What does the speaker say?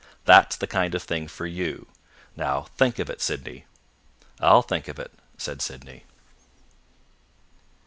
That's the kind of thing for you. Now think of it, Sydney." "I'll think of it," said Sydney.